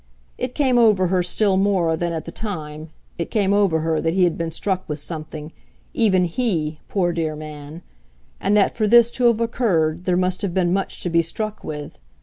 It came over her still more than at the time, it came over her that he had been struck with something, even HE, poor dear man; and that for this to have occurred there must have been much to be struck with.